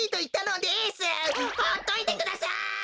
ほっといてください！